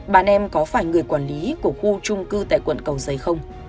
bà em có phải người quản lý của khu trung cư tại quận cầu giấy không